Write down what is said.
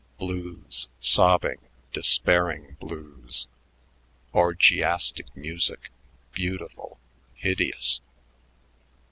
Blues, sobbing, despairing blues.... Orgiastic music beautiful, hideous!